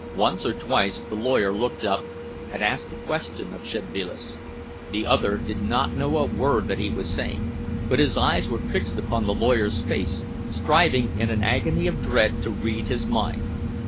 Once or twice the lawyer looked up and asked a question of Szedvilas; the other did not know a word that he was saying, but his eyes were fixed upon the lawyer's face, striving in an agony of dread to read his mind.